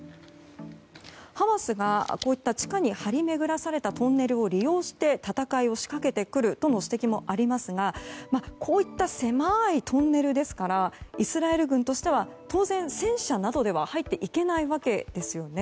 ハマスがこういった地下に張り巡らされたトンネルを利用して戦いを仕掛けてくるとの指摘もありますがこういった狭いトンネルですからイスラエル軍としては当然、戦車などでは入っていけないわけですよね。